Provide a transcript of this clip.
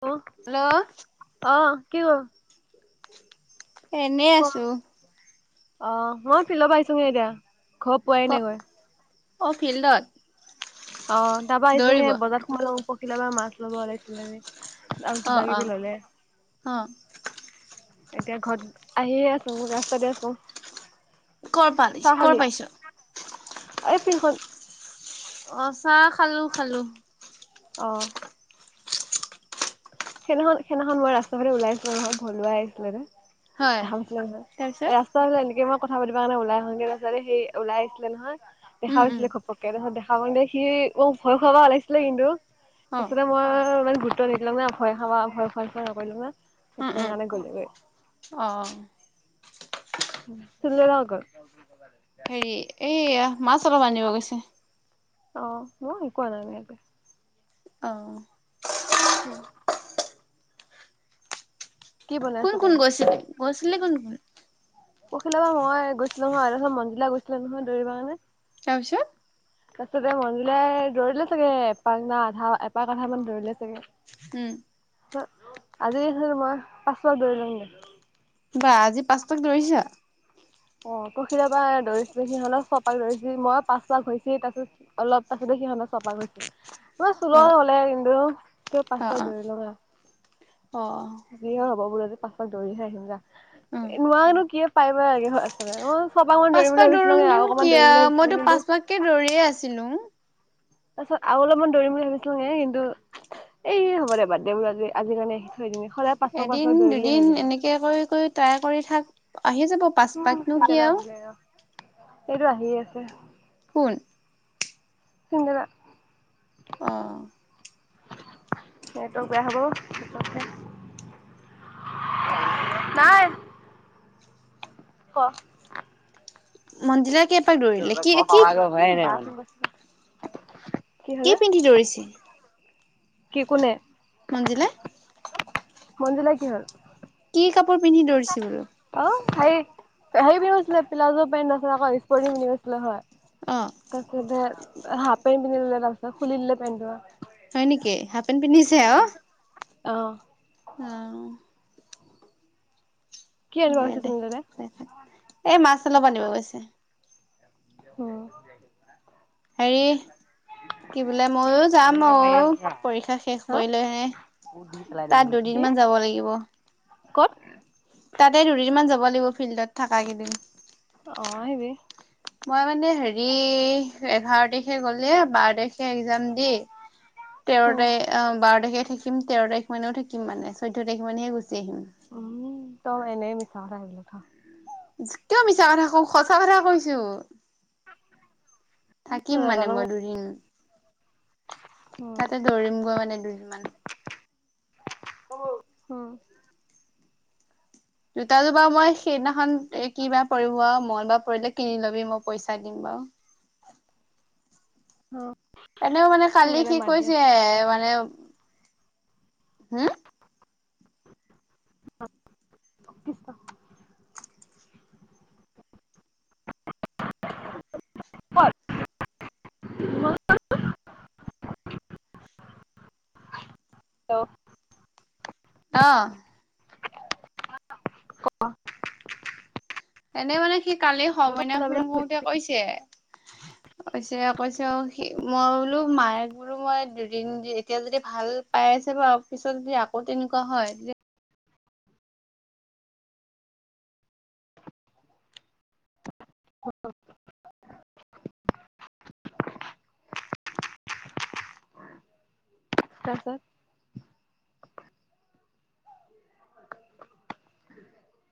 অ' hello অ' কি হল? এনেই ক আছো। অ' মই ফিল্ডৰ পৰা আহিছোঁং হে এতিয়া ঘৰ ক পোৱাই নাই গৈ। অ' ফিল্ডত। অ' তাৰপা আহিছোঁং দৌৰিব হে বজাত সোমালুং পখিলাপা মাছ লব ওলাইছিলে, আৰু অ কিবা অ কিবি ললে। অ এতিয়া ঘৰত আহিয়ে আছো ৰাস্তাতে আছো। ক'ৰ পালি চাহ কৰ খালি পাইছ? এই ফিল্ডখন। অ' চাহ খালো খালো। অ'। সেইদিনাখন সেইদিনাখন মই ৰাস্তা ফালে ওলাইছিলো নহয় ভলুৱাই আহিছিলে যে হয় ভাবিছিলে নহয় তাৰপিছত এই ৰা- তই বোলো এনেকে মই কথা পাতিব কাৰণে ওলাই আহনে তাৰপিছত সি ওলাই আহিছিলে নহয়। দেখা উম উম পাইছিলে ঘপককে তাৰপিছত দেখা পাওঁতে সি মোক ভয় খুৱাব ওলাইছিলে কিন্তু- অ ফাৰ্ষ্টতে উম মই ইমান গুৰুত্ব নিদিলোঁ ন। ভয় খাবা ভয় খুৱাই খুৱাই নকৰিলোঙে, তাছত উম সেইকাৰণে গ'লেগৈ। অ। [unintelligible] হেৰি এইয়া মাছ অলপ আনিব গৈছে। অ মই একো অনা নাই এনকে। অ। অ। কি বনাই কোন আছ তই কোন এতিয়া গৈছিলি গৈছিলি কোন কোন? পখিলাবা মই গৈচিলোং হয় তাছত মঞ্জিলদাই গৈছিলে নহয় দৌৰিব কাৰণে। তাপিছত? তাছতে মঞ্জুলাই দৌৰিলে চাগে এপাক নে আধা এপাক আধা মান দৌৰিলে চাগে। উম। ছত আজি মই পাঁচ পাক দৌৰিলুংগে। বা আজি পাঁচপাক দৌৰিছা। অ পখিলাবা দৌৰিছিলো সিহঁত ছপাক দৌৰিচে মই পাঁচ পাক হৈছি তাছত অলপ পাছতে সিহঁতৰ চপাক হৈছে মই চুল অ হ'লে কিন্তু কিন্তু অ পাঁচপাক দৌৰি লং আও। অ অ। যি হয় হব বোলো আজি পাছপাক দৌৰিহে আহিম যা, উম নোৱাইনো কিয় পাৰিব লাগে হয়। অ চপাক মান পাঁচ দৌৰিম পাক বুলি ভাবিছিলো দৌৰোতে আও অকণমান দৌৰিম বুলি মইতো ভাবিছিলো কিন্তু পাঁচ পাককে কি দৌৰিয়ে ভাবিছিলুং তাছত আৰু অলপমান দৌৰিম বুলি ভাবিছিলুঙে কিন্তু এ হ'ব দে বাদ দে বোলো আজি আজি মানে আহি থৈ দিঙ এ এদিন দুদিন এনেকে কৰি কৰি ট্ৰাই কৰি থাক। আহি যাব উম পাচপাকনো চিন্তা কি এটা আও। আহিলে ৰ এইটো আহিয়ে আছে। কোন? হিন দাদা। অ। নেটৱৰ্ক বেয়া হ'ব অ ফটককে। নাই। ক? মঞ্জিলাই কি এপাক দৌ কি হল ঘৰ পাৱাগে হোৱাই নাই মানে বাই ফোন কৰিছিলে। কি পিন্ধি দৌৰিছে? কি কোনে? মঞ্জিলাই। মঞ্জুলাই কি হ'ল? কি কাপোৰ পিন্ধি দৌৰিছে বাৰু? অ হাৰি, হাৰগ পিন্ধি গৈছিলে প্লাউজ পেন্ট নাছিনা আক স্পৰ্টি পিন্ধি গৈছিলে হয়। অ। তেকে ধেত হাফ পেণ্ট পিন্ধি ললে তাপিছত খুলি দিলে পেণ্ট ধোৰা। হয় নেকি হাফ পেণ্ট পিন্ধিছে আও। অ। [unintelligible] কি আনিব দে গৈছে দে চুনু দাদাই? এই মাছ অলপ আনিব গৈছে। উম হেৰি কি বোলে মইও যাম ঔ এনেকে মাৰি আছা পৰীক্ষা শেষ কৰি লৈ হে মোক দি পেলাই তাত দিব দুদিন কি? মান যাব লাগিব। ক'ত? তাতে দুদিনমান যাব লাগিব ফিল্ডত থাকা কেইদিন। অ আহিবি। মই মানে হেৰি এঘাৰ তাৰিখে গ'লে বাৰ তাৰিখে একজাম দি তেৰ উম তাৰিখ বাৰ তাৰিখে থাকিম তেৰ তাৰিখ মানেও থাকিম মানে চৈধ্য তাৰিখ মানেহে গুচি আহিম উম তই এনেই মিছা কৈ দিয় খা কিয় মিছা কথা কম সঁচা কথা কৈছো। [inaudible] থাকিম থ মানে নাজানো মই দুদিন তাতে দৌৰিম গৈ মানে দুদিনমান অ জোতা জোৰ বাৰু মই সেইদিনাখন এ কিবা পৰিব আও মঙলবাৰ পৰিলে কিনি লবি মই পইচা দিম বাও। অ এনেও মানে কালি দাদাই সি মাত দি আছে কৈছে মানে হোম? [inaudible] [inaudible] [unintelligible] হেল্ল! অঁ। ক এনে মানে সি কালি সৰুমইনা ফোন কৰোতে কৈছে কৈছে কৈছে সি মই বোলো মায়ে বোলো মই দুদিন এতিয়া যদি ভাল পাই আছে বাৰু পিছত যদি আকৌ তেনেকুৱা হয়। [unintelligible] তাৰপাছত [inaudible]